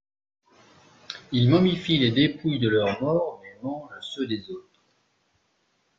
Ils momifient les dépouilles de leurs morts mais mangent ceux des autres.